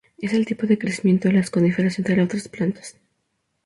Es el tipo de crecimiento de las coníferas, entre otras plantas.